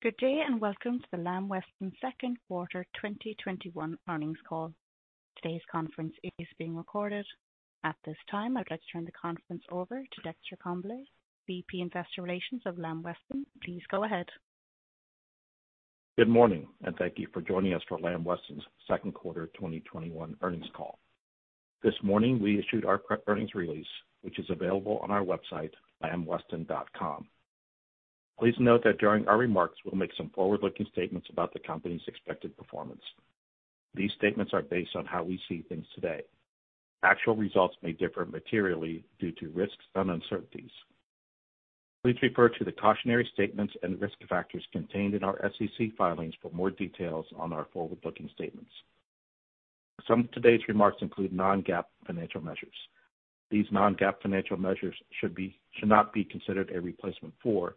Good day, and welcome to the Lamb Weston Q2 2021 earnings call. Today's conference is being recorded. At this time, I'd like to turn the conference over to Dexter Congbalay, VP Investor Relations of Lamb Weston. Please go ahead. Good morning, and thank you for joining us for Lamb Weston's Q2 2021 earnings call. This morning, we issued our earnings release, which is available on our website, lambweston.com. Please note that during our remarks, we'll make some forward-looking statements about the company's expected performance. These statements are based on how we see things today. Actual results may differ materially due to risks and uncertainties. Please refer to the cautionary statements and risk factors contained in our SEC filings for more details on our forward-looking statements. Some of today's remarks include non-GAAP financial measures. These non-GAAP financial measures should not be considered a replacement for,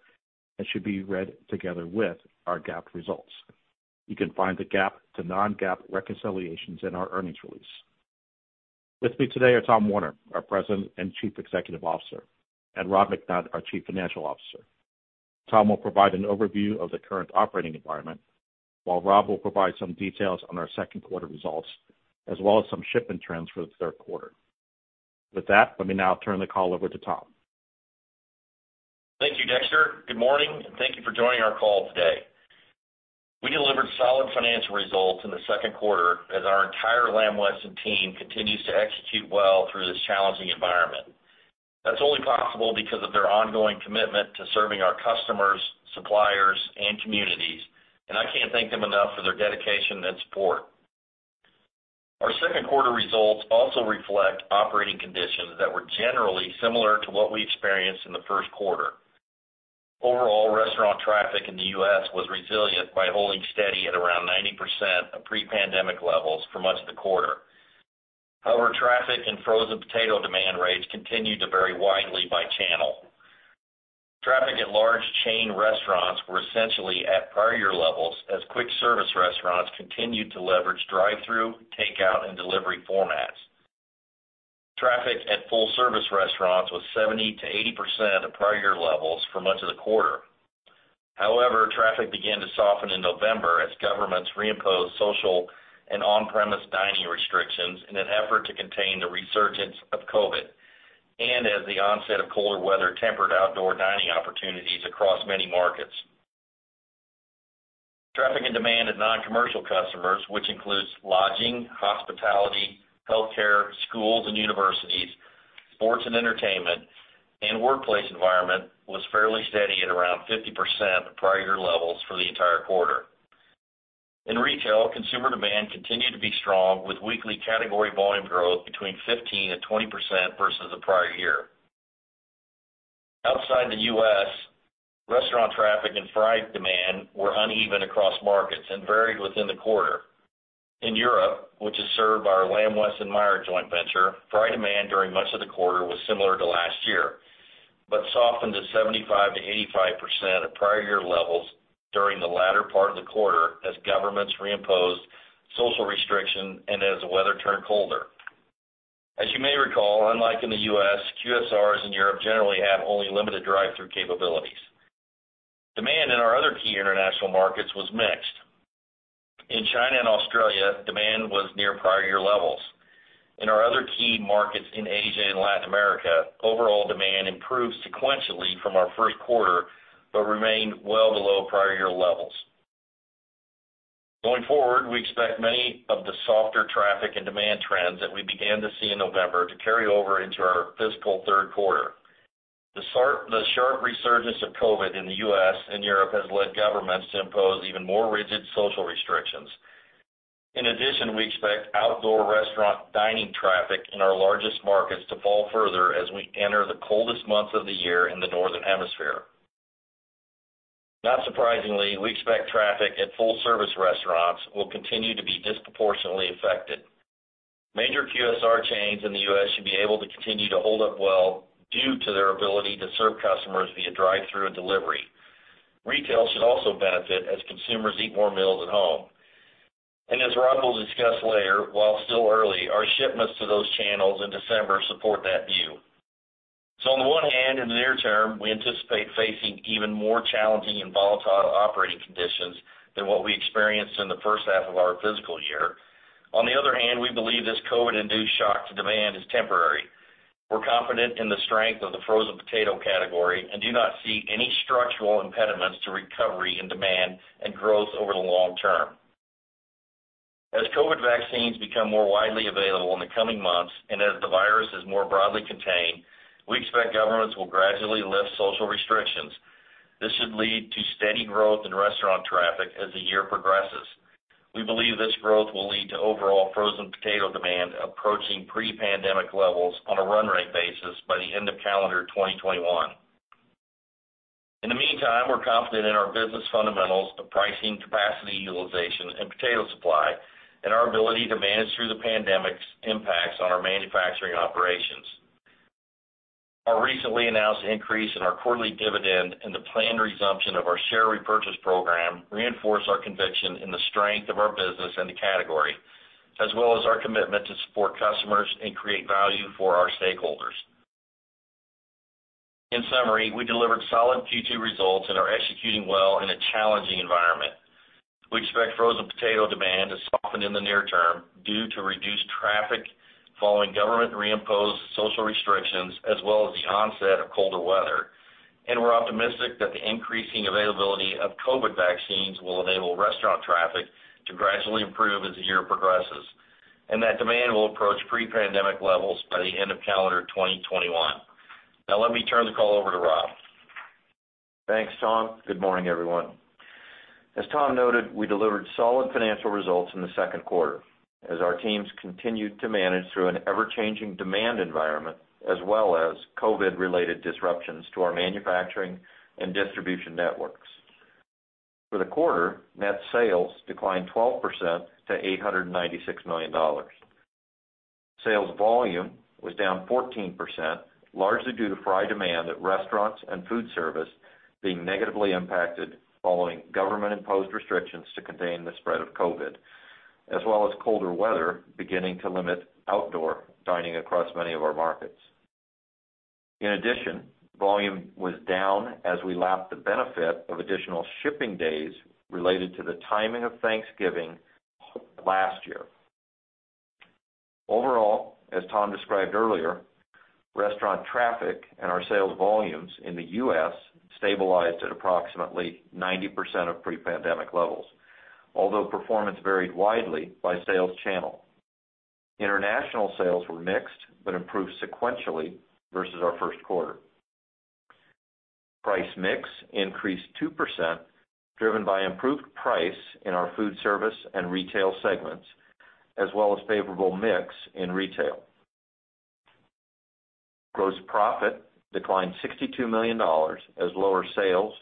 and should be read together with, our GAAP results. You can find the GAAP to non-GAAP reconciliations in our earnings release. With me today are Tom Werner, our President and Chief Executive Officer, and Rob McNutt, our Chief Financial Officer. Tom will provide an overview of the current operating environment, while Rob will provide some details on our Q2 results, as well as some shipment trends for the Q3. With that, let me now turn the call over to Tom. Thank you, Dexter. Good morning, and thank you for joining our call today. We delivered solid financial results in the Q2 as our entire Lamb Weston team continues to execute well through this challenging environment. That's only possible because of their ongoing commitment to serving our customers, suppliers, and communities, and I can't thank them enough for their dedication and support. Our Q2 results also reflect operating conditions that were generally similar to what we experienced in the Q1. however, traffic and frozen potato demand rates continued to vary widely by channel. Overall, restaurant traffic in the U.S. was resilient by holding steady at around 90% of pre-pandemic levels for much of the quarter. Traffic at large chain restaurants were essentially at prior year levels as quick service restaurants continued to leverage drive-through, takeout, and delivery formats. Traffic at full service restaurants was 70%-80% of prior year levels for much of the quarter. However, traffic began to soften in November as governments reimposed social and on-premise dining restrictions in an effort to contain the resurgence of COVID, and as the onset of colder weather tempered outdoor dining opportunities across many markets. Traffic and demand at non-commercial customers, which includes lodging, hospitality, healthcare, schools and universities, sports and entertainment, and workplace environment, was fairly steady at around 50% of prior year levels for the entire quarter. In retail, consumer demand continued to be strong, with weekly category volume growth between 15% and 20% versus the prior year. Outside the U.S., restaurant traffic and fry demand were uneven across markets and varied within the quarter. In Europe, which is served by our Lamb Weston Meijer joint venture, fry demand during much of the quarter was similar to last year, but softened to 75%-85% of prior year levels during the latter part of the quarter as governments reimposed social restriction and as the weather turned colder. As you may recall, unlike in the U.S., QSRs in Europe generally have only limited drive-through capabilities. Demand in our other key international markets was mixed. In China and Australia, demand was near prior year levels. In our other key markets in Asia and Latin America, overall demand improved sequentially from our Q1, but remained well below prior year levels. Going forward, we expect many of the softer traffic and demand trends that we began to see in November to carry over into our fiscal Q3. The sharp resurgence of COVID in the U.S. and Europe has led governments to impose even more rigid social restrictions. We expect outdoor restaurant dining traffic in our largest markets to fall further as we enter the coldest months of the year in the northern hemisphere. Not surprisingly, we expect traffic at full service restaurants will continue to be disproportionately affected. Major QSR chains in the U.S. should be able to continue to hold up well due to their ability to serve customers via drive-through and delivery. Retail should also benefit as consumers eat more meals at home. As Rob will discuss later, while still early, our shipments to those channels in December support that view. On the one hand, in the near term, we anticipate facing even more challenging and volatile operating conditions than what we experienced in the H1 of our fiscal year. On the other hand, we believe this COVID-induced shock to demand is temporary. We're confident in the strength of the frozen potato category and do not see any structural impediments to recovery and demand and growth over the long term. As COVID vaccines become more widely available in the coming months, and as the virus is more broadly contained, we expect governments will gradually lift social restrictions. This should lead to steady growth in restaurant traffic as the year progresses. We believe this growth will lead to overall frozen potato demand approaching pre-pandemic levels on a run rate basis by the end of calendar 2021. In the meantime, we're confident in our business fundamentals of pricing, capacity utilization, and potato supply, and our ability to manage through the pandemic's impacts on our manufacturing operations. Our recently announced increase in our quarterly dividend and the planned resumption of our share repurchase program reinforce our conviction in the strength of our business and the category, as well as our commitment to support customers and create value for our stakeholders. In summary, we delivered solid Q2 results and are executing well in a challenging environment. We expect frozen potato demand to soften in the near term due to reduced traffic following government re-imposed social restrictions, as well as the onset of colder weather. We're optimistic that the increasing availability of COVID vaccines will enable restaurant traffic to gradually improve as the year progresses, and that demand will approach pre-pandemic levels by the end of calendar 2021. Now let me turn the call over to Rob. Thanks, Tom. Good morning, everyone. As Tom noted, we delivered solid financial results in the Q2 as our teams continued to manage through an ever-changing demand environment, as well as COVID-related disruptions to our manufacturing and distribution networks. For the quarter, net sales declined 12% to $896 million. Sales volume was down 14%, largely due to fry demand at restaurants and food service being negatively impacted following government-imposed restrictions to contain the spread of COVID, as well as colder weather beginning to limit outdoor dining across many of our markets. In addition, volume was down as we lapped the benefit of additional shipping days related to the timing of Thanksgiving last year. Overall, as Tom described earlier, restaurant traffic and our sales volumes in the U.S. stabilized at approximately 90% of pre-pandemic levels, although performance varied widely by sales channel. International sales were mixed but improved sequentially versus our Q1. Price mix increased 2%, driven by improved price in our food service and retail segments, as well as favorable mix in retail. Gross profit declined $62 million as lower sales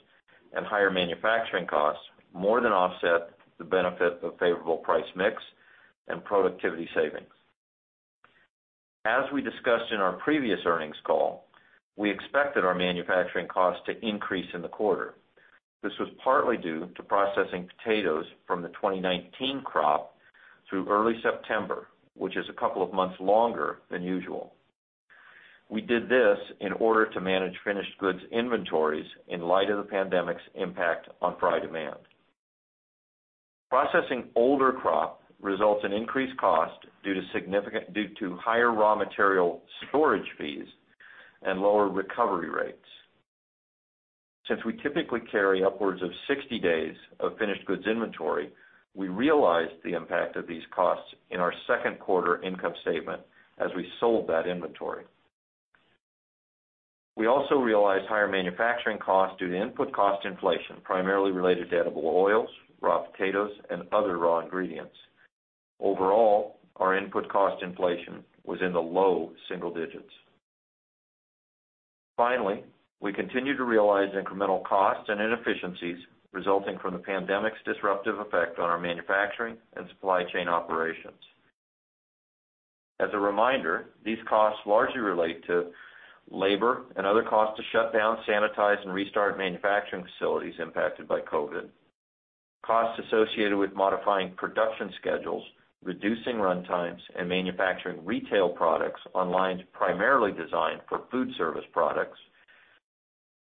and higher manufacturing costs more than offset the benefit of favorable price mix and productivity savings. As we discussed in our previous earnings call, we expected our manufacturing costs to increase in the quarter. This was partly due to processing potatoes from the 2019 crop through early September, which is a couple of months longer than usual. We did this in order to manage finished goods inventories in light of the pandemic's impact on fry demand. Processing older crop results in increased cost due to higher raw material storage fees and lower recovery rates. Since we typically carry upwards of 60 days of finished goods inventory, we realized the impact of these costs in our Q2 income statement as we sold that inventory. We also realized higher manufacturing costs due to input cost inflation, primarily related to edible oils, raw potatoes, and other raw ingredients. Overall, our input cost inflation was in the low single digits. Finally, we continue to realize incremental costs and inefficiencies resulting from the pandemic's disruptive effect on our manufacturing and supply chain operations. As a reminder, these costs largely relate to labor and other costs to shut down, sanitize, and restart manufacturing facilities impacted by COVID, costs associated with modifying production schedules, reducing runtimes, and manufacturing retail products on lines primarily designed for food service products,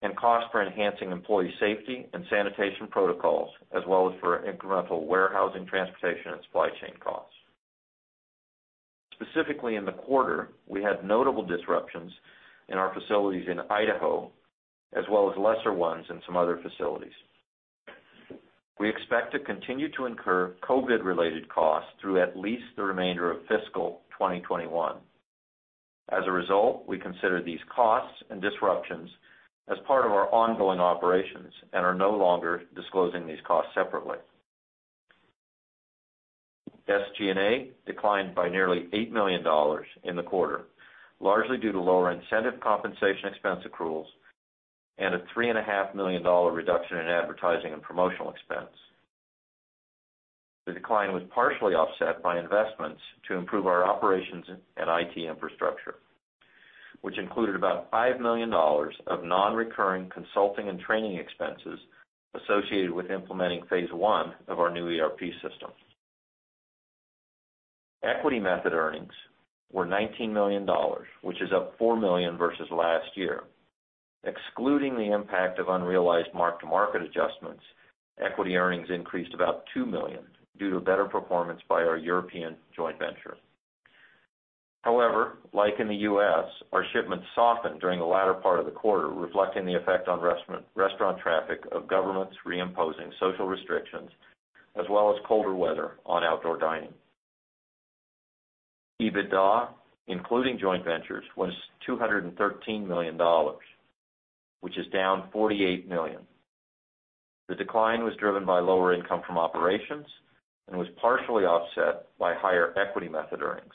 and costs for enhancing employee safety and sanitation protocols, as well as for incremental warehousing, transportation, and supply chain costs. Specifically in the quarter, we had notable disruptions in our facilities in Idaho, as well as lesser ones in some other facilities. We expect to continue to incur COVID-related costs through at least the remainder of fiscal 2021. As a result, we consider these costs and disruptions as part of our ongoing operations and are no longer disclosing these costs separately. SG&A declined by nearly $8 million in the quarter, largely due to lower incentive compensation expense accruals and a $3.5 million reduction in advertising and promotional expense. The decline was partially offset by investments to improve our operations and IT infrastructure, which included about $5 million of non-recurring consulting and training expenses associated with implementing phase one of our new ERP system. Equity method earnings were $19 million, which is up $4 million versus last year. Excluding the impact of unrealized mark-to-market adjustments, equity earnings increased about $2 million due to better performance by our European joint venture. However, like in the U.S., our shipments softened during the latter part of the quarter, reflecting the effect on restaurant traffic of governments re-imposing social restrictions, as well as colder weather on outdoor dining. EBITDA, including joint ventures, was $213 million, which is down $48 million. The decline was driven by lower income from operations and was partially offset by higher equity method earnings.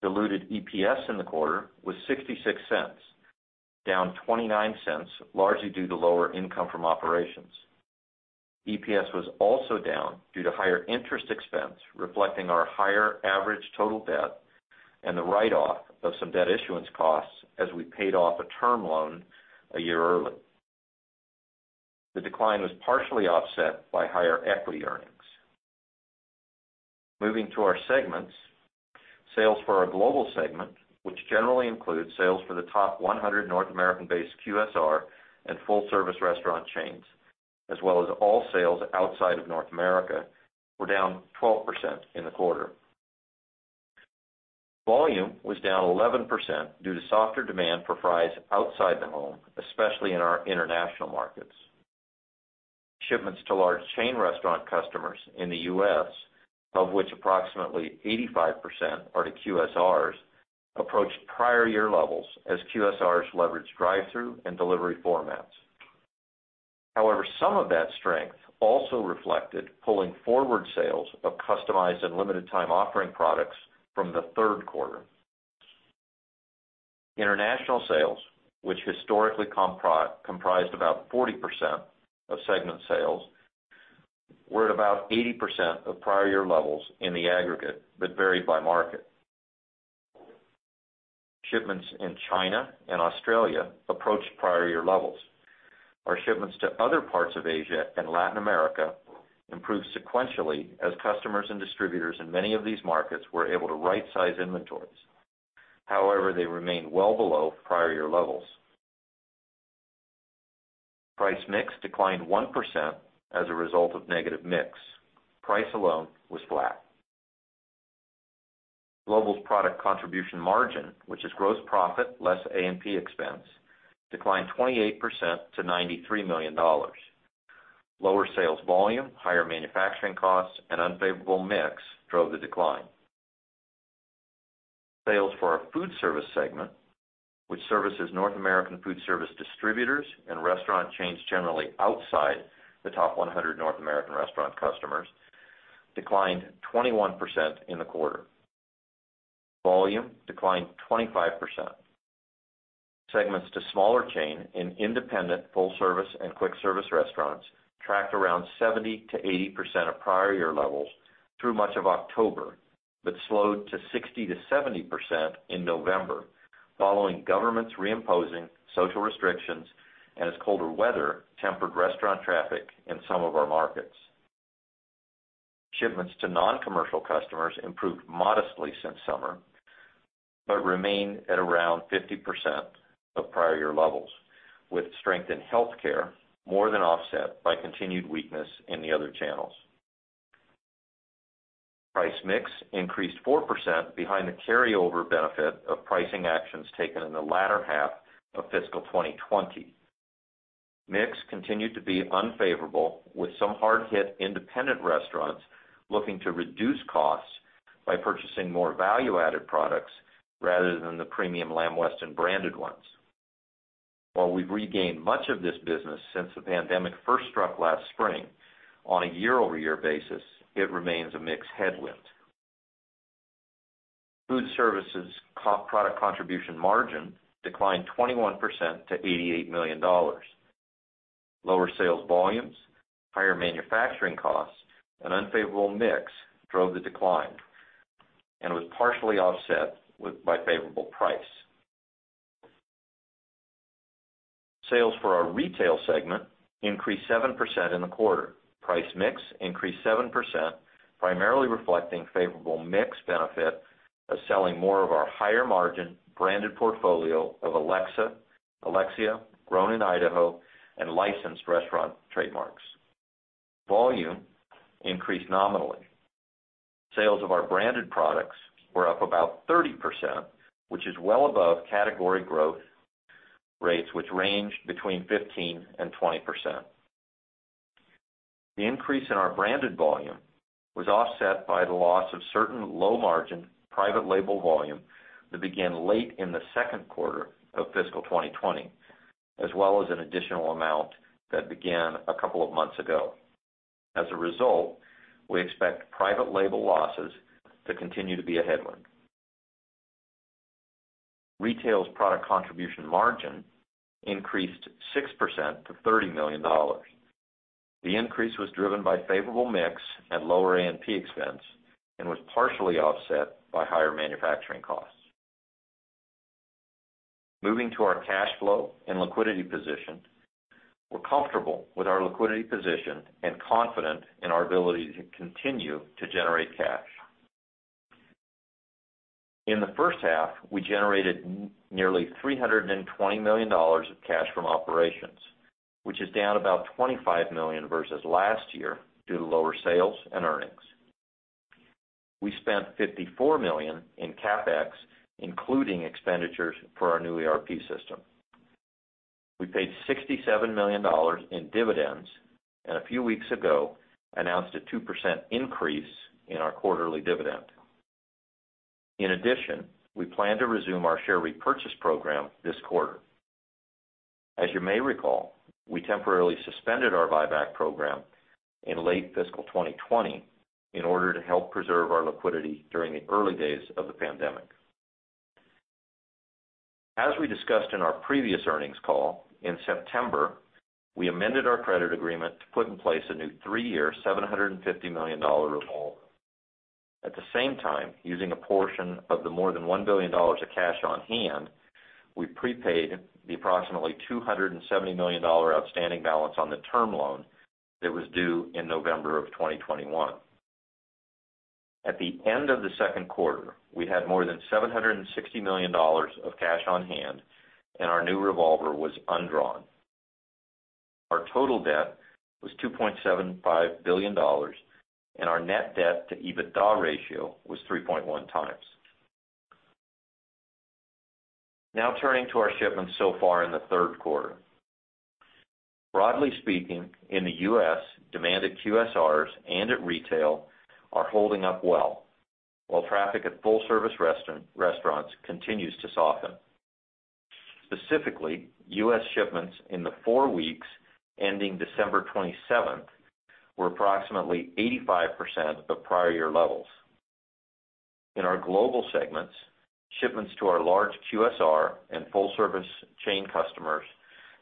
Diluted EPS in the quarter was $0.66, down $0.29 largely due to lower income from operations. EPS was also down due to higher interest expense, reflecting our higher average total debt and the write-off of some debt issuance costs as we paid off a term loan one year early. The decline was partially offset by higher equity earnings. Moving to our segments. Sales for our global segment, which generally includes sales for the top 100 North American based QSR and full service restaurant chains, as well as all sales outside of North America, were down 12% in the quarter. Volume was down 11% due to softer demand for fries outside the home, especially in our international markets. Shipments to large chain restaurant customers in the U.S., of which approximately 85% are to QSRs, approached prior year levels as QSRs leveraged drive-through and delivery formats. However, some of that strength also reflected pulling forward sales of customized and limited time offering products from the Q3. International sales, which historically comprised about 40% of segment sales, were at about 80% of prior year levels in the aggregate, but varied by market. Shipments in China and Australia approached prior year levels. Our shipments to other parts of Asia and Latin America improved sequentially as customers and distributors in many of these markets were able to right-size inventories. They remained well below prior year levels. Price mix declined 1% as a result of negative mix. Price alone was flat. Global's product contribution margin, which is gross profit less A&P expense, declined 28% to $93 million. Lower sales volume, higher manufacturing costs, and unfavorable mix drove the decline. Sales for our food service segment, which services North American food service distributors and restaurant chains generally outside the top 100 North American restaurant customers, declined 21% in the quarter. Volume declined 25%. Segments to smaller chain and independent full service and quick service restaurants tracked around 70%-80% of prior year levels through much of October, but slowed to 60%-70% in November, following governments reimposing social restrictions and as colder weather tempered restaurant traffic in some of our markets. Shipments to non-commercial customers improved modestly since summer, but remain at around 50% of prior year levels, with strength in healthcare more than offset by continued weakness in the other channels. Price mix increased 4% behind the carryover benefit of pricing actions taken in the latter half of fiscal 2020. Mix continued to be unfavorable with some hard hit independent restaurants looking to reduce costs by purchasing more value added products rather than the premium Lamb Weston branded ones. While we've regained much of this business since the pandemic first struck last spring, on a year-over-year basis, it remains a mix headwind. Food services product contribution margin declined 21% to $88 million. Lower sales volumes, higher manufacturing costs and unfavorable mix drove the decline and was partially offset by favorable price. Sales for our retail segment increased 7% in the quarter. Price mix increased 7%, primarily reflecting favorable mix benefit of selling more of our higher margin branded portfolio of Alexia, Grown in Idaho, and licensed restaurant trademarks. Volume increased nominally. Sales of our branded products were up about 30%, which is well above category growth rates, which range between 15%-20%. The increase in our branded volume was offset by the loss of certain low margin private label volume that began late in the Q2 of fiscal 2020, as well as an additional amount that began a couple of months ago. As a result, we expect private label losses to continue to be a headwind. Retail's product contribution margin increased 6% to $30 million. The increase was driven by favorable mix and lower A&P expense and was partially offset by higher manufacturing costs. Moving to our cash flow and liquidity position. We're comfortable with our liquidity position and confident in our ability to continue to generate cash. In the H1, we generated nearly $320 million of cash from operations, which is down about $25 million versus last year due to lower sales and earnings. We spent $54 million in CapEx, including expenditures for our new ERP system. We paid $67 million in dividends, and a few weeks ago, announced a 2% increase in our quarterly dividend. In addition, we plan to resume our share repurchase program this quarter. As you may recall, we temporarily suspended our buyback program in late fiscal 2020 in order to help preserve our liquidity during the early days of the pandemic. As we discussed in our previous earnings call in September, we amended our credit agreement to put in place a new three-year, $750 million revolver. At the same time, using a portion of the more than $1 billion of cash on hand, we prepaid the approximately $270 million outstanding balance on the term loan that was due in November of 2021. At the end of the Q2, we had more than $760 million of cash on hand, and our new revolver was undrawn. Our total debt was $2.75 billion, and our net debt to EBITDA ratio was 3.1 times. Now turning to our shipments so far in the Q3. Broadly speaking, in the U.S., demand at QSRs and at retail are holding up well, while traffic at full-service restaurants continues to soften. Specifically, U.S. shipments in the four weeks ending 27 December were approximately 85% of prior year levels. In our global segments, shipments to our large QSR and full-service chain customers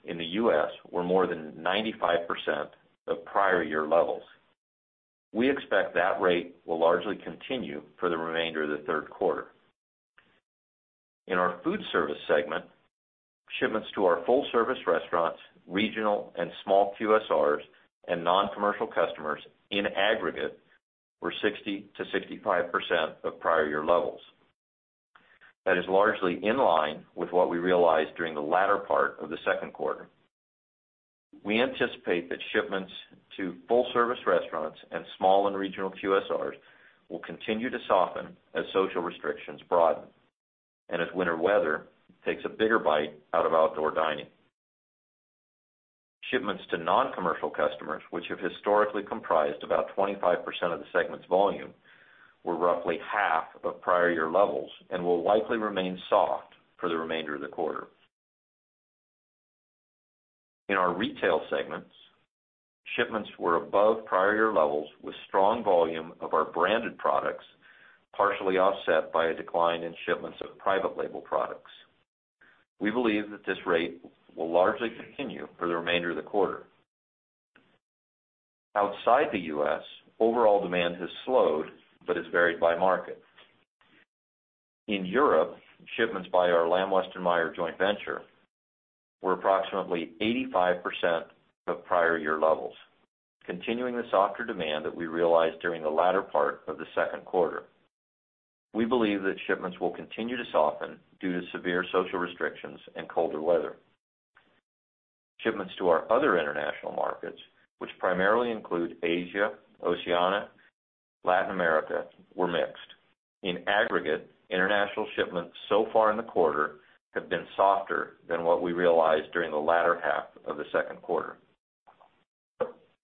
in the U.S. were more than 95% of prior year levels. We expect that rate will largely continue for the remainder of the Q3. In our food service segment, shipments to our full-service restaurants, regional and small QSRs, and non-commercial customers in aggregate were 60%-65% of prior year levels. That is largely in line with what we realized during the latter part of the Q2. We anticipate that shipments to full-service restaurants and small and regional QSRs will continue to soften as social restrictions broaden, and as winter weather takes a bigger bite out of outdoor dining. Shipments to non-commercial customers, which have historically comprised about 25% of the segment's volume, were roughly half of prior year levels and will likely remain soft for the remainder of the quarter. In our retail segments, shipments were above prior year levels with strong volume of our branded products, partially offset by a decline in shipments of private label products. We believe that this rate will largely continue for the remainder of the quarter. Outside the U.S., overall demand has slowed but is varied by market. In Europe, shipments by our Lamb Weston Meijer joint venture were approximately 85% of prior year levels, continuing the softer demand that we realized during the latter part of the Q2. We believe that shipments will continue to soften due to severe social restrictions and colder weather. Shipments to our other international markets, which primarily include Asia, Oceania, Latin America, were mixed. In aggregate, international shipments so far in the quarter have been softer than what we realized during the latter half of the Q2.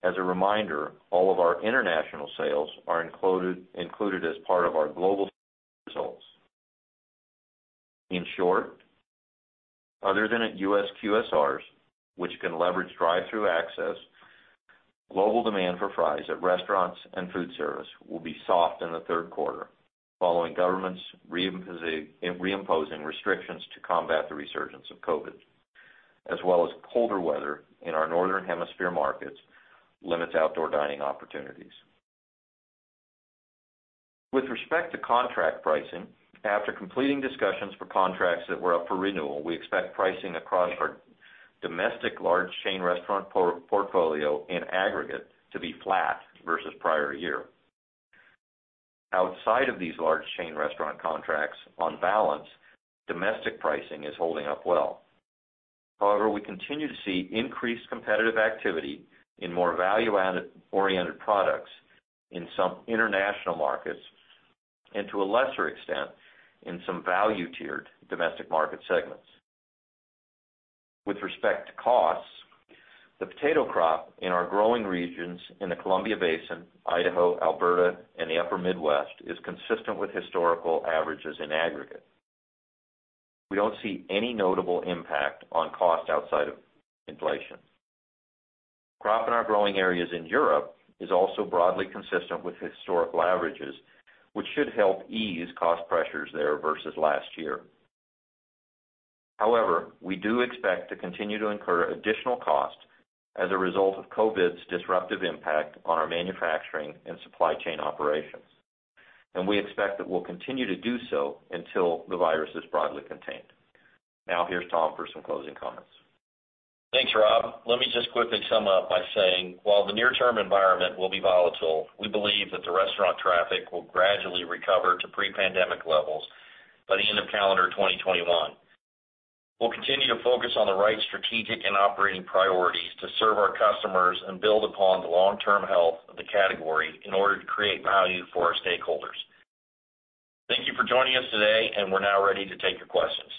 As a reminder, all of our international sales are included as part of our global results. In short, other than at U.S. QSRs, which can leverage drive-thru access, global demand for fries at restaurants and food service will be soft in the Q3 following governments reimposing restrictions to combat the resurgence of COVID, as well as colder weather in our northern hemisphere markets limits outdoor dining opportunities. With respect to contract pricing, after completing discussions for contracts that were up for renewal, we expect pricing across our domestic large chain restaurant portfolio in aggregate to be flat versus prior year. Outside of these large chain restaurant contracts, on balance, domestic pricing is holding up well. However, we continue to see increased competitive activity in more value-oriented products in some international markets, and to a lesser extent, in some value tiered domestic market segments. With respect to costs, the potato crop in our growing regions in the Columbia Basin, Idaho, Alberta, and the upper Midwest is consistent with historical averages in aggregate. We don't see any notable impact on cost outside of inflation. Crop in our growing areas in Europe is also broadly consistent with historical averages, which should help ease cost pressures there versus last year. However, we do expect to continue to incur additional costs as a result of COVID's disruptive impact on our manufacturing and supply chain operations. We expect that we'll continue to do so until the virus is broadly contained. Now, here's Tom for some closing comments. Thanks, Rob. Let me just quickly sum up by saying, while the near-term environment will be volatile, we believe that the restaurant traffic will gradually recover to pre-pandemic levels by the end of calendar 2021. We'll continue to focus on the right strategic and operating priorities to serve our customers and build upon the long-term health of the category in order to create value for our stakeholders. Thank you for joining us today, and we're now ready to take your questions.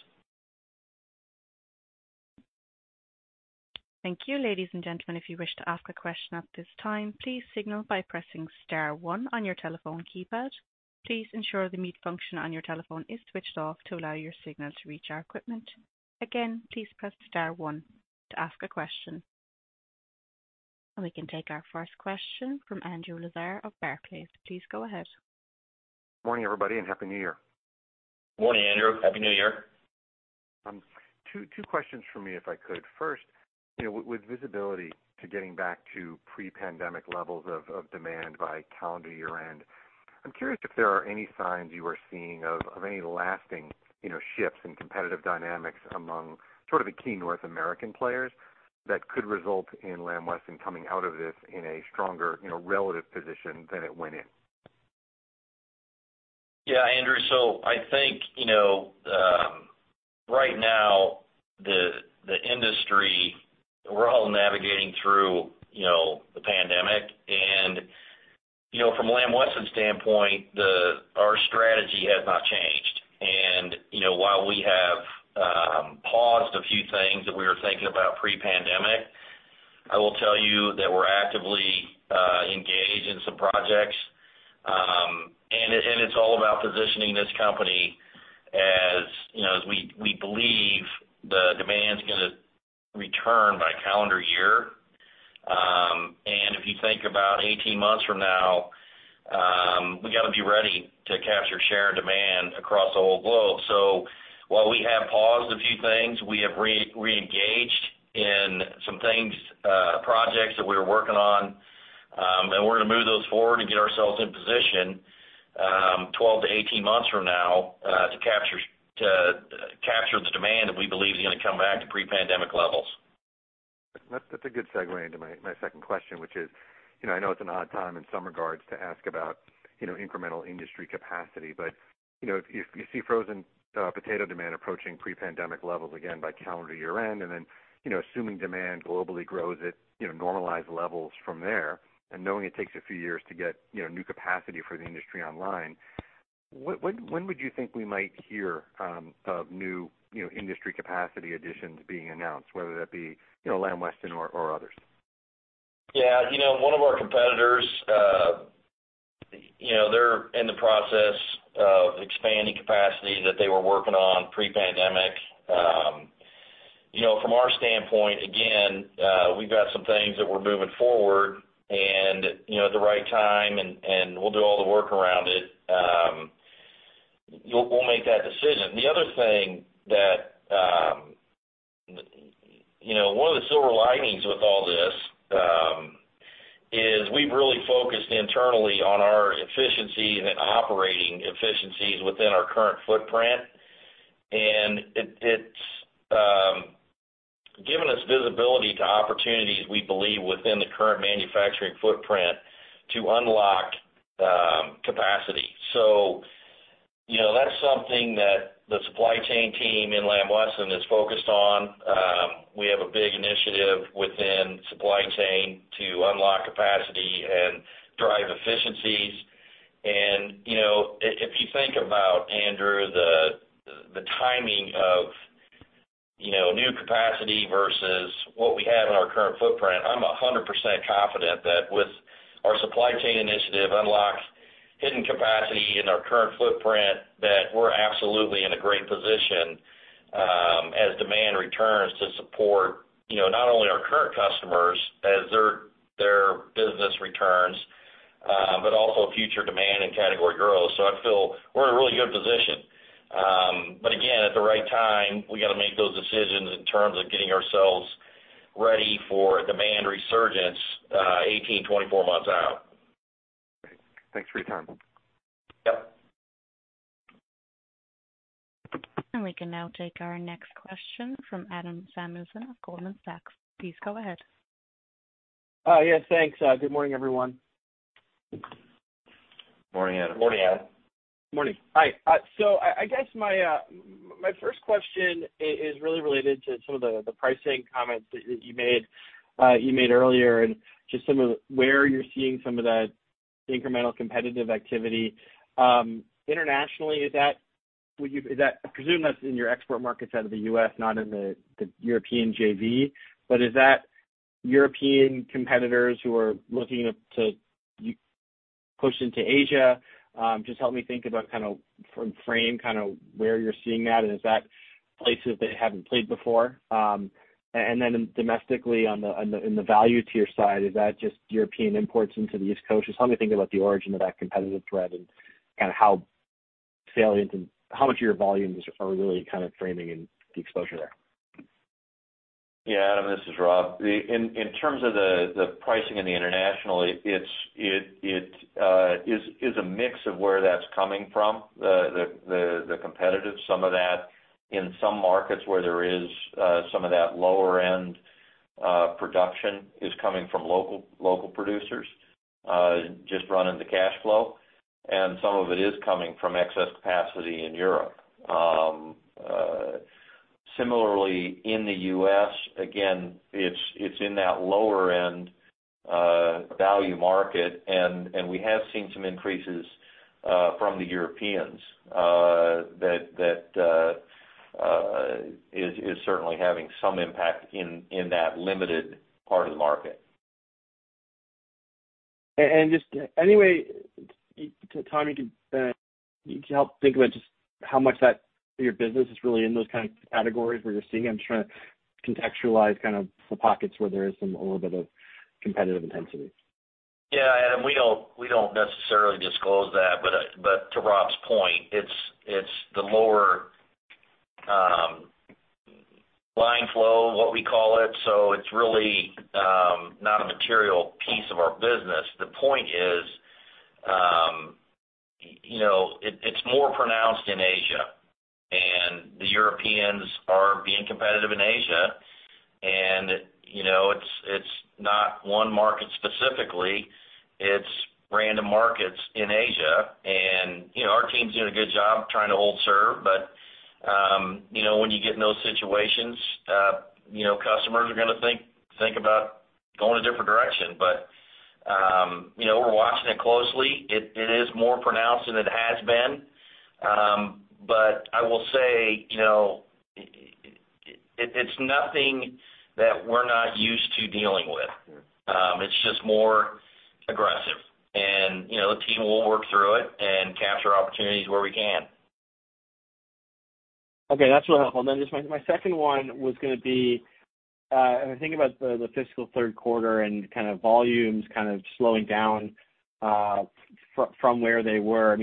Thank you. Ladies and gentlemen, if you wish to ask a question at this time, please signal by pressing star one on your telephone keypad. Please ensure the mute function on your telephone is switched off to allow your signal to reach our equipment. Again, please press star one to ask a question. We can take our first question from Andrew Lazar of Barclays. Please go ahead. Morning, everybody, and Happy New Year. Morning, Andrew. Happy New Year. Two questions from me, if I could. First, with visibility to getting back to pre-pandemic levels of demand by calendar year-end, I am curious if there are any signs you are seeing of any lasting shifts in competitive dynamics among sort of the key North American players that could result in Lamb Weston coming out of this in a stronger relative position than it went in? Yeah, Andrew. I think, right now, the industry, we're all navigating through the pandemic. From Lamb Weston's standpoint, our strategy has not changed. While we have paused a few things that we were thinking about pre-pandemic, I will tell you that we're actively engaged in some projects. It's all about positioning this company as we believe the demand's going to return by calendar year. If you think about 18 months from now, we got to be ready to capture share and demand across the whole globe. While we have paused a few things, we have re-engaged in some projects that we were working on. We're going to move those forward to get ourselves in position 12 to 18 months from now to capture the demand that we believe is going to come back to pre-pandemic levels. That's a good segue into my second question, which is, I know it's an odd time in some regards to ask about incremental industry capacity. If you see frozen potato demand approaching pre-pandemic levels again by calendar year-end, and then assuming demand globally grows at normalized levels from there, and knowing it takes a few years to get new capacity for the industry online, when would you think we might hear of new industry capacity additions being announced, whether that be Lamb Weston or others? Yeah. One of our competitors, they're in the process of expanding capacity that they were working on pre-pandemic. From our standpoint, again, we've got some things that we're moving forward, and at the right time, and we'll do all the work around it. We'll make that decision. One of the silver linings with all this is we've really focused internally on our efficiency and operating efficiencies within our current footprint. It's given us visibility to opportunities we believe within the current manufacturing footprint to unlock capacity. That's something that the supply chain team in Lamb Weston is focused on. We have a big initiative within supply chain to unlock capacity and drive efficiencies. If you think about, Andrew, the timing of new capacity versus what we have in our current footprint, I'm 100% confident that with our supply chain initiative unlocks hidden capacity in our current footprint, that we're absolutely in a great position as demand returns to support not only our current customers as their business returns, but also future demand and category growth. I feel we're in a really good position. Again, at the right time, we got to make those decisions in terms of getting ourselves ready for a demand resurgence 18, 24 months out. Great. Thanks for your time. Yep. We can now take our next question from Adam Samuelson of Goldman Sachs. Please go ahead. Yes, thanks. Good morning, everyone. Morning, Adam. Morning, Adam. Morning. Hi. I guess my first question is really related to some of the pricing comments that you made earlier and just where you're seeing some of that incremental competitive activity. Internationally, I presume that's in your export markets out of the U.S., not in the European JV. Is that European competitors who are looking to push into Asia? Just help me think about kind of from frame where you're seeing that, and is that places they haven't played before? Then domestically in the value tier side, is that just European imports into the East Coast? Just help me think about the origin of that competitive threat and kind of how salient and how much of your volumes are really kind of framing in the exposure there. Yeah, Adam, this is Rob. In terms of the pricing in the international, it is a mix of where that's coming from, the competitive. Some of that in some markets where there is some of that lower end production is coming from local producers, just running the cash flow, and some of it is coming from excess capacity in Europe. Similarly, in the U.S., again, it's in that lower end value market, and we have seen some increases from the Europeans that is certainly having some impact in that limited part of the market. Just any way, Tom, you can help think about just how much that your business is really in those kind of categories where you're seeing? I'm trying to contextualize kind of the pockets where there is a little bit of competitive intensity. Yeah, Adam, we don't necessarily disclose that. To Rob's point, it's the lower line flow, what we call it. It's really not a material piece of our business. The point is, it's more pronounced in Asia, and the Europeans are being competitive in Asia, and it's not one market specifically, it's random markets in Asia. Our team's doing a good job trying to hold serve, but when you get in those situations, customers are going to think about going a different direction. We're watching it closely. It is more pronounced than it has been. I will say, it's nothing that we're not used to dealing with. It's just more aggressive. The team will work through it and capture opportunities where we can. Okay, that's really helpful. Just my second one was going to be, I think about the fiscal Q3 and volumes kind of slowing down from where they were.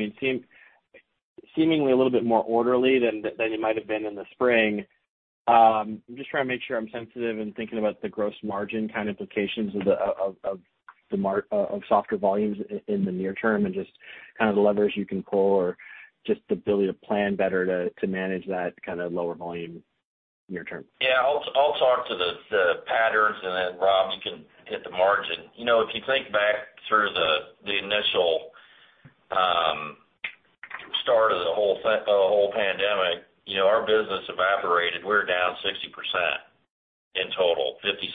Seemingly a little bit more orderly than it might have been in the spring. I'm just trying to make sure I'm sensitive in thinking about the gross margin kind of implications of softer volumes in the near term and just the levers you can pull or just the ability to plan better to manage that kind of lower volume near term. Yeah. I'll talk to the patterns and then Rob, you can hit the margin. If you think back through the initial start of the whole pandemic, our business evaporated. We were down 60% in total, 50%, 60%.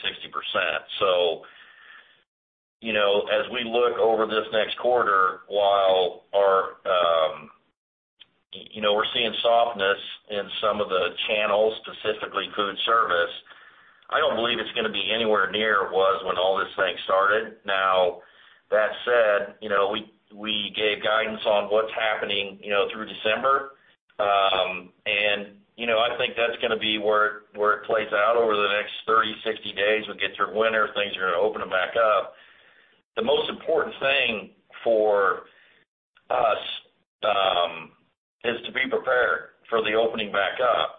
As we look over this next quarter, while we're seeing softness in some of the channels, specifically food service, I don't believe it's going to be anywhere near it was when all this thing started. That said, we gave guidance on what's happening through December. I think that's going to be where it plays out over the next 30, 60 days. We'll get through winter, things are going to open back up. The most important thing for us is to be prepared for the opening back up.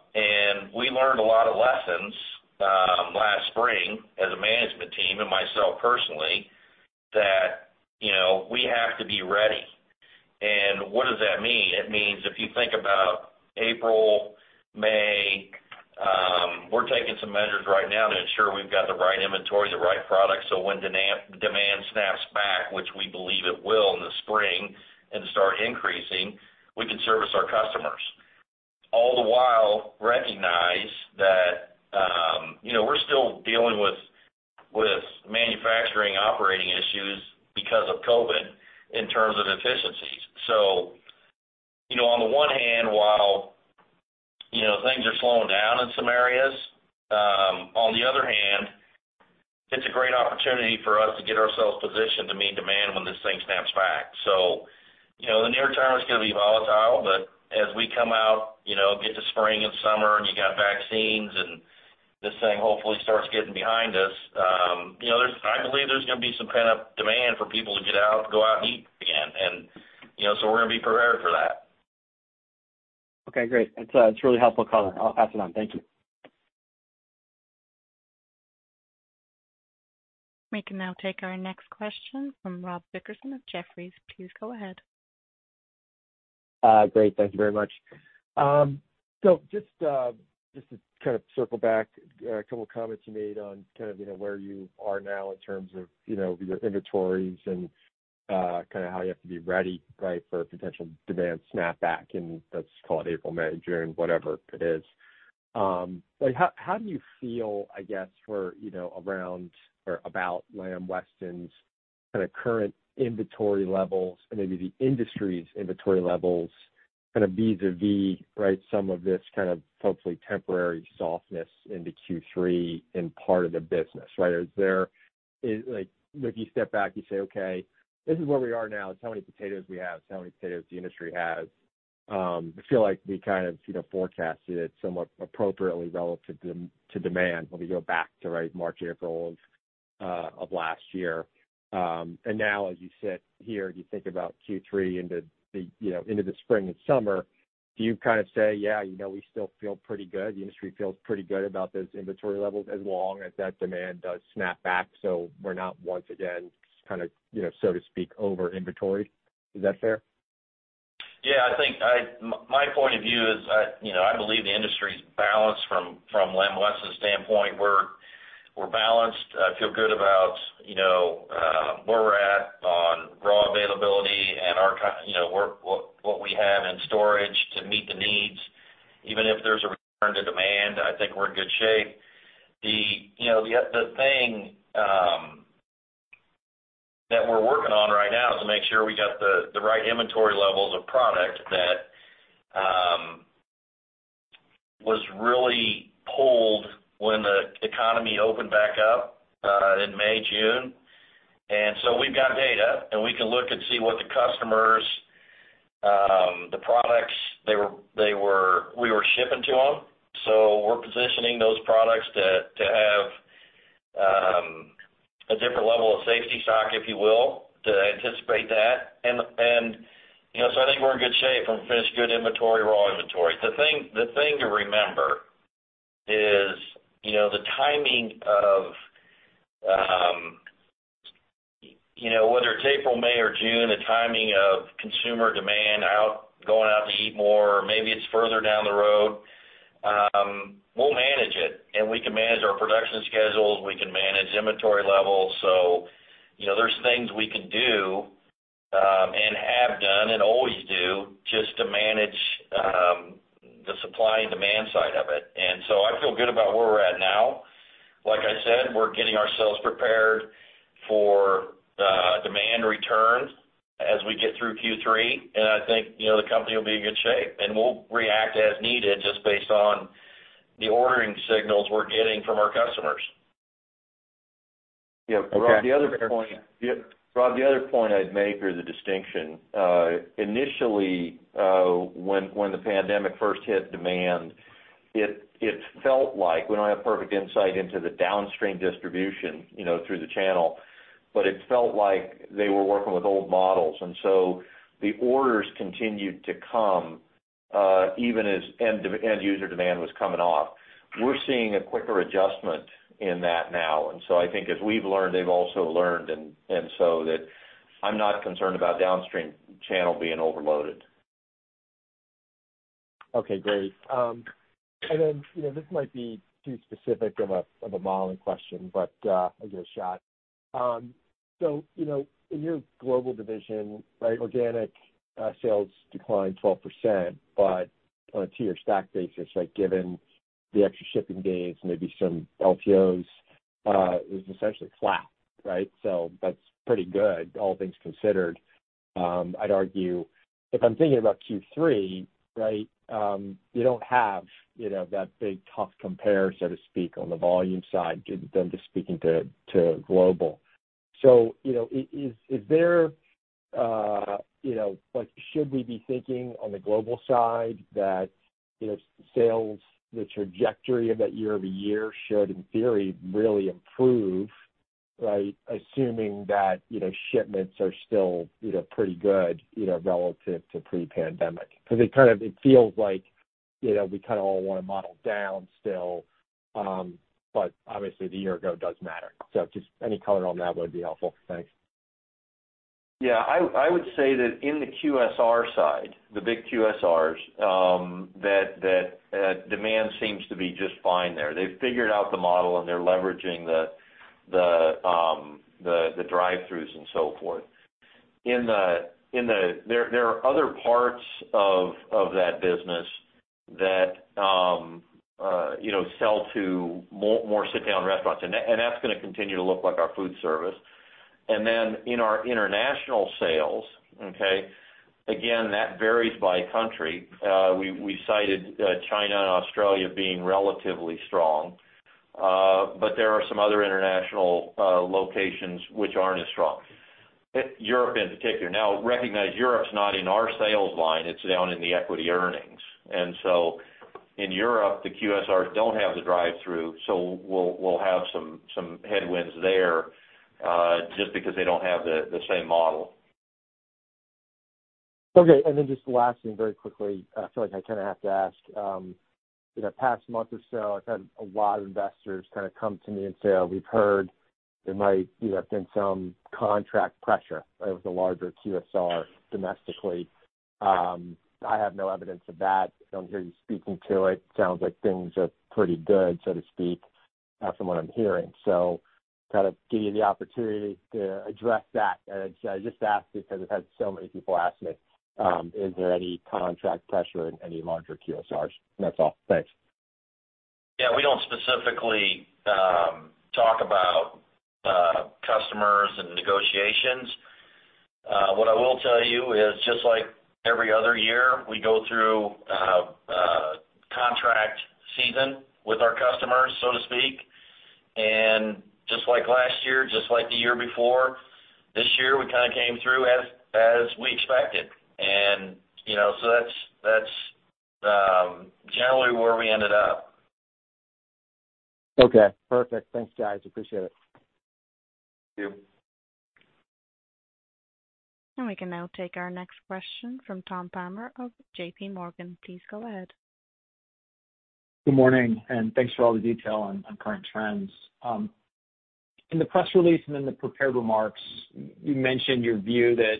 We learned a lot of lessons last spring as a management team and myself personally, that we have to be ready. What does that mean? It means if you think about April, May, we're taking some measures right now to ensure we've got the right inventory, the right product, so when demand snaps back, which we believe it will in the spring, and start increasing, we can service our customers. All the while recognize that we're still dealing with manufacturing operating issues because of COVID in terms of efficiencies. On the one hand, while things are slowing down in some areas, on the other hand, it's a great opportunity for us to get ourselves positioned to meet demand when this thing snaps back. The near term is going to be volatile, but as we come out, get to spring and summer, and you got vaccines, and this thing hopefully starts getting behind us. I believe there's going to be some pent-up demand for people to get out, go out and eat again. We're going to be prepared for that. Okay, great. It's really helpful color. I'll pass it on. Thank you. We can now take our next question from Rob Dickerson of Jefferies. Please go ahead. Great. Thank you very much. Just to kind of circle back, a couple of comments you made on where you are now in terms of your inventories and how you have to be ready for a potential demand snapback in, let's call it April, May, June, whatever it is. How do you feel, I guess, around or about Lamb Weston's kind of current inventory levels and maybe the industry's inventory levels vis-a-vis some of this hopefully temporary softness into Q3 in part of the business. If you step back, you say, "Okay, this is where we are now. This is how many potatoes we have, this is how many potatoes the industry has." I feel like we kind of forecasted it somewhat appropriately relative to demand when we go back to March, April of last year. Now as you sit here and you think about Q3 into the spring and summer, do you kind of say, "Yeah, we still feel pretty good. The industry feels pretty good about those inventory levels as long as that demand does snap back, so we're not once again, so to speak, over inventoried." Is that fair? Yeah, I think my point of view is I believe the industry's balanced from Lamb Weston's standpoint. We're balanced. I feel good about where we're at on raw availability and what we have in storage to meet the needs. Even if there's a return to demand, I think we're in good shape. The thing that we're working on right now is to make sure we got the right inventory levels of product that was really pulled when the economy opened back up in May, June. We've got data, and we can look and see what the customers shipping to them. We're positioning those products to have a different level of safety stock, if you will, to anticipate that. I think we're in good shape from finished good inventory, raw inventory. The thing to remember is the timing of whether it's April, May, or June, the timing of consumer demand going out to eat more, or maybe it's further down the road. We'll manage it, and we can manage our production schedules, we can manage inventory levels. There's things we can do and have done and always do just to manage the supply and demand side of it. I feel good about where we're at now. Like I said, we're getting ourselves prepared for demand return as we get through Q3, and I think the company will be in good shape. We'll react as needed just based on the ordering signals we're getting from our customers. Yeah. Rob, the other point I'd make or the distinction, initially, when the pandemic first hit demand, it felt like we don't have perfect insight into the downstream distribution through the channel, but it felt like they were working with old models. And so the orders continued to come even as end user demand was coming off. We're seeing a quicker adjustment in that now. And so I think as we've learned, they've also learned, and so that I'm not concerned about downstream channel being overloaded. Okay, great. This might be too specific of a modeling question, but I'll give it a shot. In your global division, organic sales declined 12%, but on a two-year stack basis, given the extra shipping days, maybe some LTOs, it was essentially flat, right? That's pretty good, all things considered. I'd argue if I'm thinking about Q3, you don't have that big tough compare, so to speak, on the volume side, just speaking to global. Should we be thinking on the global side that sales, the trajectory of that year-over-year should, in theory, really improve, assuming that shipments are still pretty good relative to pre-pandemic? It feels like we all want to model down still, but obviously the year ago does matter. Just any color on that would be helpful. Thanks. I would say that in the QSR side, the big QSRs, that demand seems to be just fine there. They've figured out the model, and they're leveraging the drive-throughs and so forth. There are other parts of that business that sell to more sit-down restaurants, and that's going to continue to look like our food service. In our international sales, that varies by country. We cited China and Australia being relatively strong. There are some other international locations which aren't as strong. Europe in particular. Recognize Europe's not in our sales line, it's down in the equity earnings. In Europe, the QSRs don't have the drive-through, so we'll have some headwinds there, just because they don't have the same model. Just last thing very quickly, I feel like I kind of have to ask. In the past month or so, I've had a lot of investors kind of come to me and say, "Oh, we've heard there might have been some contract pressure with the larger QSR domestically." I have no evidence of that. I don't hear you speaking to it. Sounds like things are pretty good, so to speak, from what I'm hearing. Kind of give you the opportunity to address that. I just ask because I've had so many people ask me, is there any contract pressure in any larger QSRs? That's all. Thanks. Yeah, we don't specifically talk about customers and negotiations. What I will tell you is just like every other year, we go through contract season with our customers, so to speak. Just like last year, just like the year before, this year, we kind of came through as we expected. That's generally where we ended up. Okay, perfect. Thanks, guys, appreciate it. Thank you. We can now take our next question from Tom Palmer of JPMorgan. Please go ahead. Good morning, thanks for all the detail on current trends. In the press release and in the prepared remarks, you mentioned your view that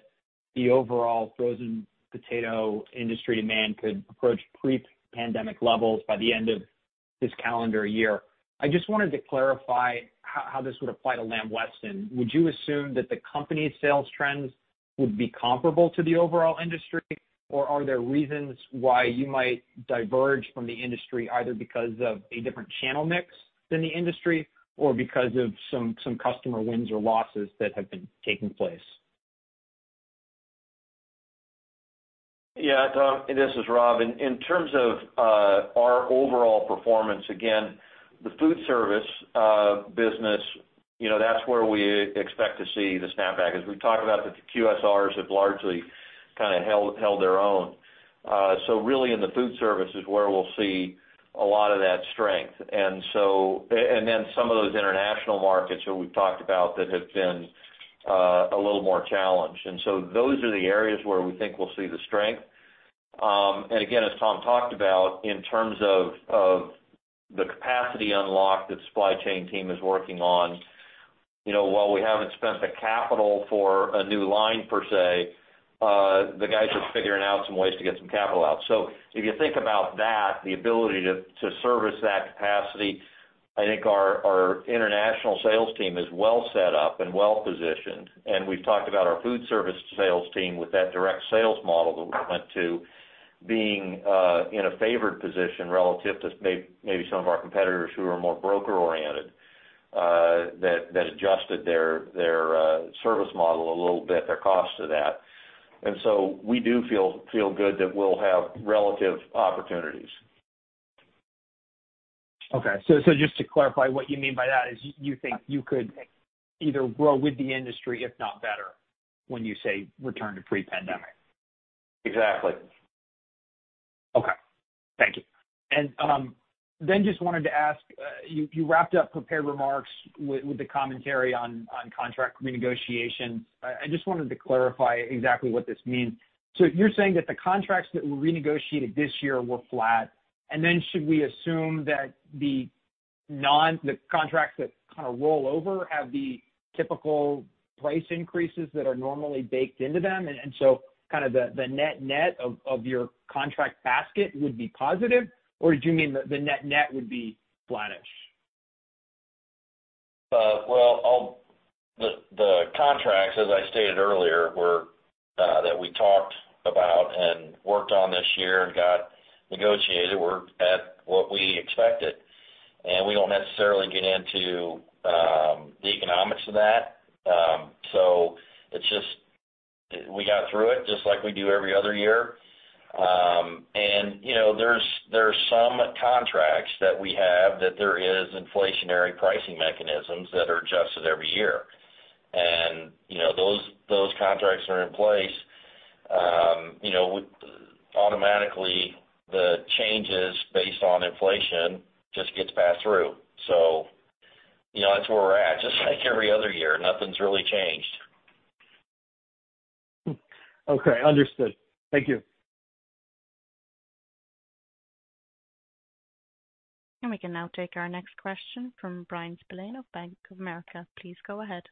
the overall frozen potato industry demand could approach pre-pandemic levels by the end of this calendar year. I just wanted to clarify how this would apply to Lamb Weston. Would you assume that the company's sales trends would be comparable to the overall industry? Are there reasons why you might diverge from the industry, either because of a different channel mix than the industry or because of some customer wins or losses that have been taking place? Yeah, Tom, this is Rob. In terms of our overall performance, again, the food service business. That's where we expect to see the snap back. As we've talked about, the QSRs have largely kind of held their own. Really in the food service is where we'll see a lot of that strength. Some of those international markets that we've talked about that have been a little more challenged. Those are the areas where we think we'll see the strength. Again, as Tom talked about, in terms of the capacity unlock that supply chain team is working on, while we haven't spent the capital for a new line per se, the guys are figuring out some ways to get some capital out. If you think about that, the ability to service that capacity, I think our international sales team is well set up and well-positioned. We've talked about our food service sales team with that direct sales model that we went to being in a favored position relative to maybe some of our competitors who are more broker-oriented, that adjusted their service model a little bit, their cost to that. We do feel good that we'll have relative opportunities. Okay. Just to clarify, what you mean by that is you think you could either grow with the industry, if not better, when you say return to pre-pandemic? Exactly. Okay. Thank you. Just wanted to ask, you wrapped up prepared remarks with the commentary on contract renegotiation. I just wanted to clarify exactly what this means. You're saying that the contracts that were renegotiated this year were flat, and then should we assume that the contracts that kind of roll over have the typical price increases that are normally baked into them, and so kind of the net of your contract basket would be positive? Do you mean the net would be flattish? Well, the contracts, as I stated earlier, that we talked about and worked on this year and got negotiated were at what we expected, and we don't necessarily get into the economics of that. It's just we got through it, just like we do every other year. There's some contracts that we have that there is inflationary pricing mechanisms that are adjusted every year. Those contracts are in place. Automatically, the changes based on inflation just gets passed through. That's where we're at, just like every other year. Nothing's really changed. Okay. Understood. Thank you. We can now take our next question from Bryan Spillane of Bank of America. Please go ahead.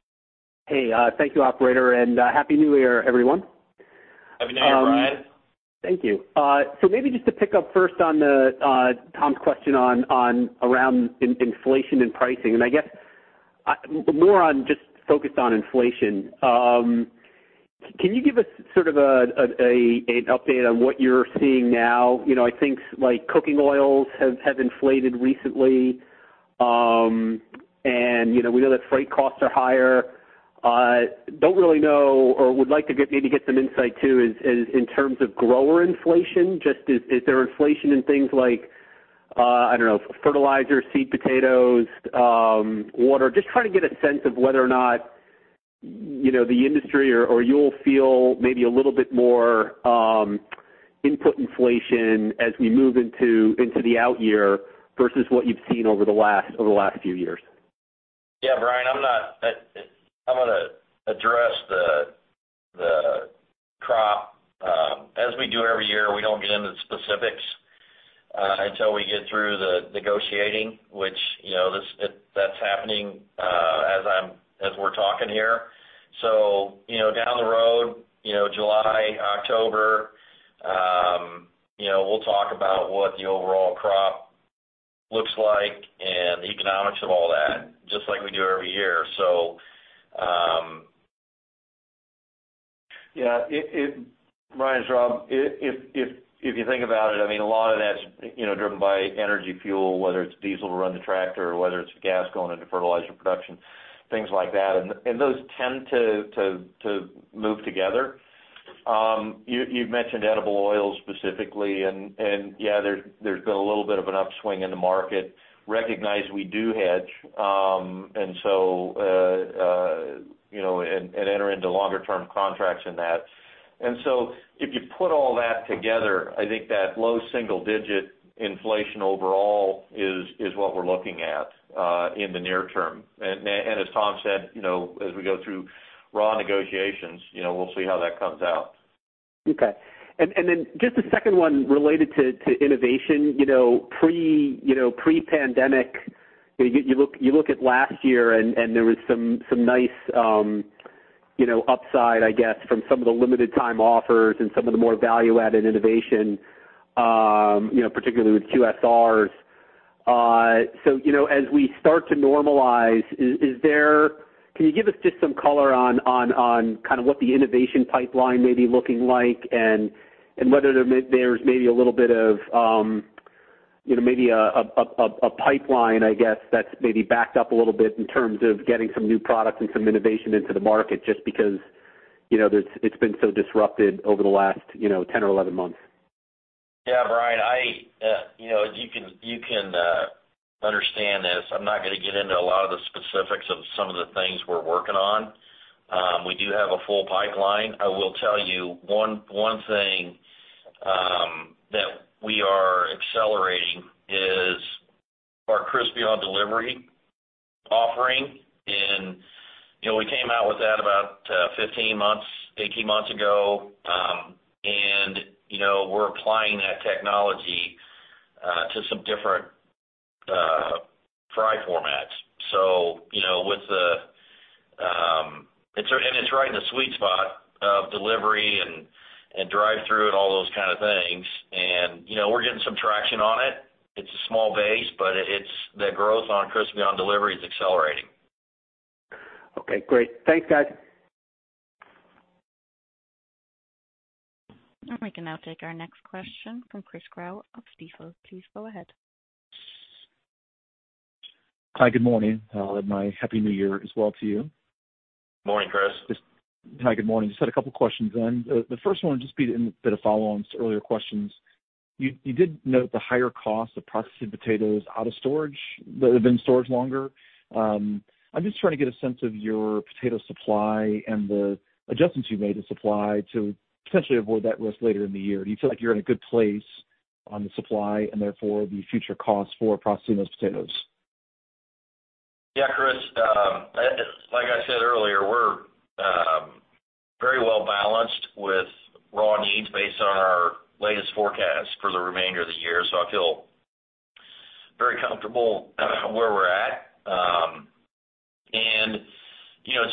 Hey, thank you, operator. Happy New Year, everyone. Happy New Year, Bryan. Thank you. Maybe just to pick up first on Tom's question around inflation and pricing, and I guess more on just focused on inflation. Can you give us sort of an update on what you're seeing now? I think cooking oils have inflated recently. We know that freight costs are higher. Don't really know or would like to maybe get some insight too is in terms of grower inflation. Is there inflation in things like, I don't know, fertilizer, seed potatoes, water? Trying to get a sense of whether or not the industry or you'll feel maybe a little bit more input inflation as we move into the out year versus what you've seen over the last few years. Yeah, Bryan, I'm going to address the crop. As we do every year, we don't get into specifics until we get through the negotiating, which that's happening as we're talking here. Down the road, July, October, we'll talk about what the overall crop looks like and the economics of all that, just like we do every year. Yeah. Bryan, it's Rob. If you think about it, I mean, a lot of that's driven by energy fuel, whether it's diesel to run the tractor or whether it's gas going into fertilizer production, things like that. Those tend to move together. You've mentioned edible oils specifically, yeah, there's been a little bit of an upswing in the market. Recognize we do hedge and enter into longer term contracts in that. If you put all that together, I think that low single digit inflation overall is what we're looking at in the near term. As Tom said, as we go through raw negotiations, we'll see how that comes out. Okay. Just a second one related to innovation. Pre-pandemic, you look at last year, and there was some nice upside, I guess, from some of the limited time offers and some of the more value-added innovation, particularly with QSRs. As we start to normalize, can you give us just some color on kind of what the innovation pipeline may be looking like and whether there's maybe a little bit of a pipeline, I guess, that's maybe backed up a little bit in terms of getting some new products and some innovation into the market just because it's been so disrupted over the last 10 or 11 months? Bryan, as you can understand this, I'm not going to get into a lot of the specifics of some of the things we're working on. We do have a full pipeline. I will tell you one thing that we are accelerating is our Crispy on Delivery offering, and we came out with that about 15 months, 18 months ago, and we're applying that technology to some different fry formats. It's right in the sweet spot of delivery and drive-through and all those kind of things. We're getting some traction on it. It's a small base, but the growth on Crispy on Delivery is accelerating. Okay, great. Thanks, guys. We can now take our next question from Chris Growe of Stifel. Please go ahead. Hi, good morning. My Happy New Year as well to you. Morning, Chris. Hi, good morning. Just had a couple questions then. The first one would just be a bit of follow on to earlier questions. You did note the higher cost of processing potatoes out of storage that have been in storage longer. I'm just trying to get a sense of your potato supply and the adjustments you made to supply to potentially avoid that risk later in the year. Do you feel like you're in a good place on the supply and therefore the future cost for processing those potatoes? Yeah, Chris. Like I said earlier, we're very well-balanced with raw needs based on our latest forecast for the remainder of the year. I feel very comfortable where we're at.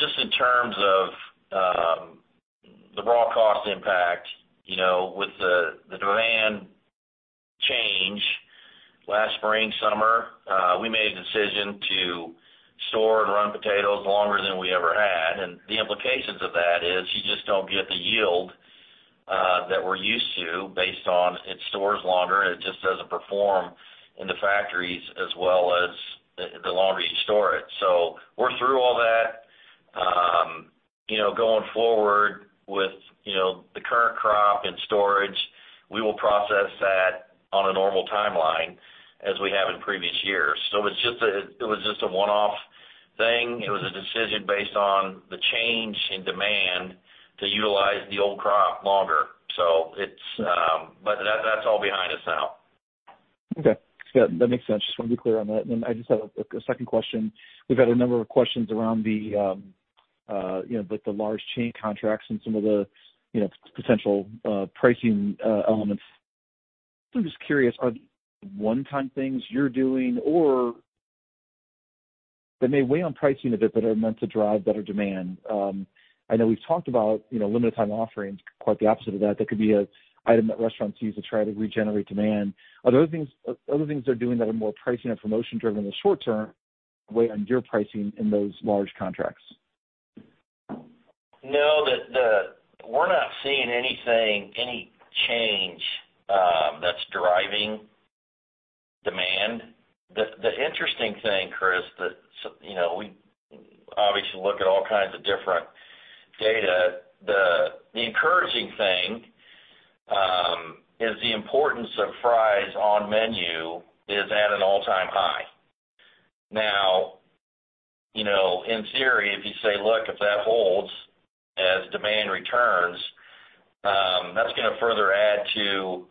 Just in terms of the raw cost impact with the demand change last spring, summer, we made the decision to store and run potatoes longer than we ever had. The implications of that is you just don't get the yield that we're used to based on it stores longer, and it just doesn't perform in the factories as well as the longer you store it. We're through all that. Going forward with the current crop and storage, we will process that on a normal timeline as we have in previous years. It was just a one-off thing. It was a decision based on the change in demand to utilize the old crop longer. That's all behind us now. Okay. That makes sense. Just want to be clear on that. I just have a second question. We've had a number of questions around the large chain contracts and some of the potential pricing elements. I'm just curious, are they one-time things you're doing, or they may weigh on pricing a bit, but are meant to drive better demand? I know we've talked about limited time offerings, quite the opposite of that could be an item that restaurants use to try to regenerate demand. Are there other things they're doing that are more pricing and promotion driven in the short term weigh on your pricing in those large contracts? No, we're not seeing any change that's driving demand. The interesting thing, Chris, that we obviously look at all kinds of different data. The encouraging thing is the importance of fries on menu is at an all-time high. Now, in theory, if you say, look, if that holds as demand returns, that's going to further add to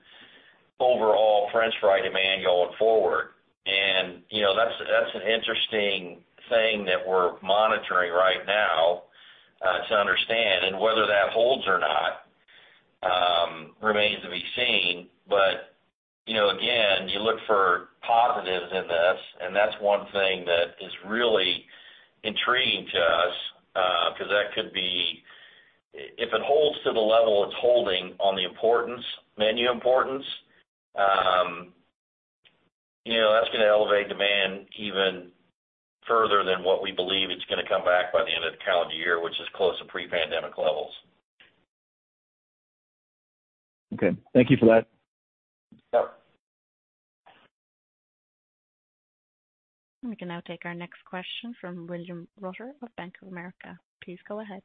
overall French fry demand going forward. That's an interesting thing that we're monitoring right now to understand, and whether that holds or not remains to be seen. Again, you look for positives in this, and that's one thing that is really intriguing to us because If it holds to the level it's holding on the menu importance, that's going to elevate demand even further than what we believe it's going to come back by the end of the calendar year, which is close to pre-pandemic levels. Okay. Thank you for that. Yep. We can now take our next question from William Reuter of Bank of America. Please go ahead.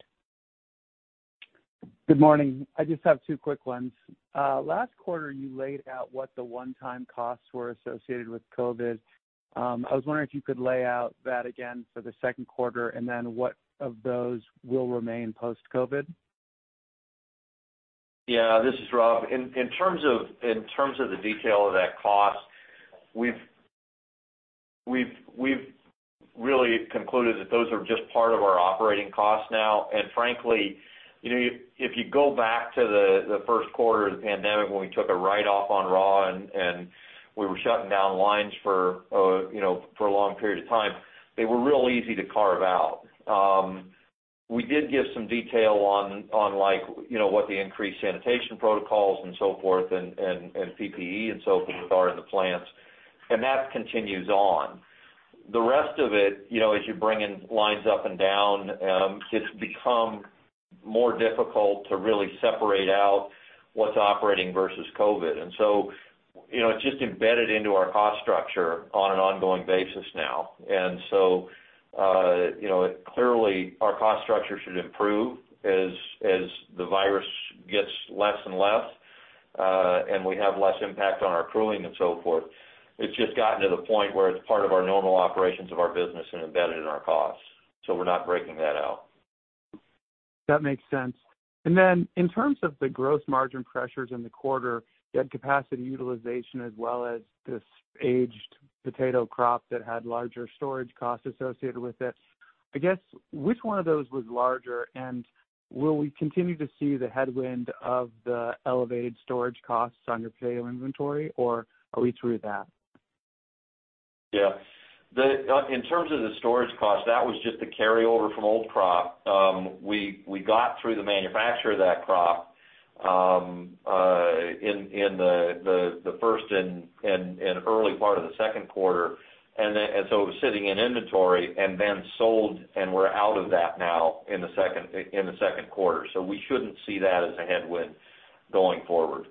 Good morning. I just have two quick ones. Last quarter, you laid out what the one-time costs were associated with COVID. I was wondering if you could lay out that again for the Q2, and then what of those will remain post-COVID? Yeah. This is Rob. In terms of the detail of that cost, we've really concluded that those are just part of our operating costs now. Frankly, if you go back to the Q1 of the pandemic when we took a write-off on raw and we were shutting down lines for a long period of time, they were real easy to carve out. We did give some detail on what the increased sanitation protocols and so forth and PPE and so forth are in the plants, and that continues on. The rest of it, as you bring in lines up and down, it's become more difficult to really separate out what's operating versus COVID. It's just embedded into our cost structure on an ongoing basis now. Clearly our cost structure should improve as the virus gets less and less, and we have less impact on our crewing and so forth. It's just gotten to the point where it's part of our normal operations of our business and embedded in our costs. We're not breaking that out. That makes sense. In terms of the gross margin pressures in the quarter, you had capacity utilization as well as this aged potato crop that had larger storage costs associated with it. I guess, which one of those was larger, and will we continue to see the headwind of the elevated storage costs on your potato inventory, or are we through that? Yeah. In terms of the storage cost, that was just a carryover from old crop. We got through the manufacture of that crop in the first and early part of the Q2. It was sitting in inventory and then sold, and we're out of that now in the Q2. We shouldn't see that as a headwind going forward.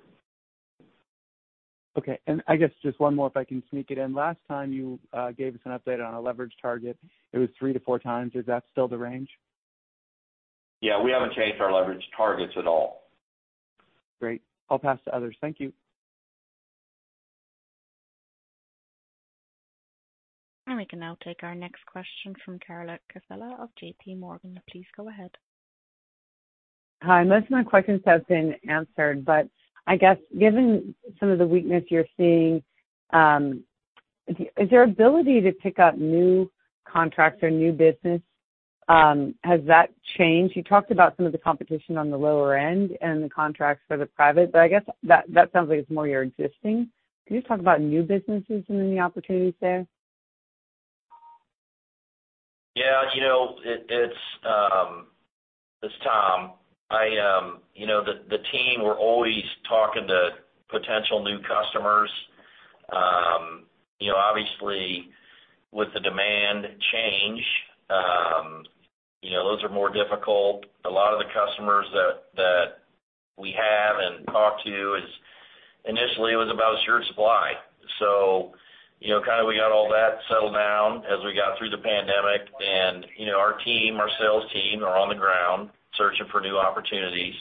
Okay. I guess just one more, if I can sneak it in. Last time you gave us an update on a leverage target, it was three to four times. Is that still the range? Yeah. We haven't changed our leverage targets at all. Great. I'll pass to others. Thank you. We can now take our next question from Carla Casella of JPMorgan. Please go ahead. Hi. Most of my questions have been answered, but I guess given some of the weakness you're seeing, is your ability to pick up new contracts or new business, has that changed? You talked about some of the competition on the lower end and the contracts for the private, but I guess that sounds like it's more your existing. Can you just talk about new businesses and any opportunities there? Yeah. It's Tom. The team, we're always talking to potential new customers. Obviously, with the demand change, those are more difficult. A lot of the customers that we have and talk to is initially it was about assured supply. Kind of we got all that settled down as we got through the pandemic and our team, our sales team, are on the ground searching for new opportunities,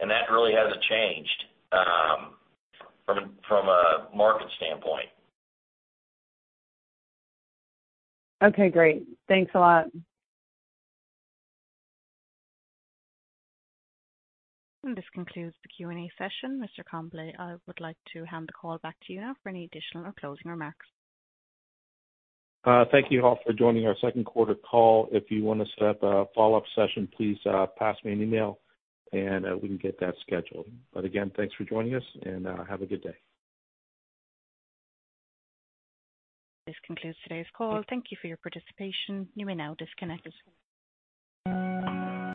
and that really hasn't changed from a market standpoint. Okay, great. Thanks a lot. This concludes the Q&A session. Mr. Congbalay, I would like to hand the call back to you now for any additional or closing remarks. Thank you all for joining our Q2 call. If you want to set up a follow-up session, please pass me an email, and we can get that scheduled. Again, thanks for joining us, and have a good day. This concludes today's call. Thank you for your participation. You may now disconnect.